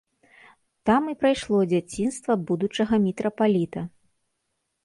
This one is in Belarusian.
Там і прайшло дзяцінства будучага мітрапаліта.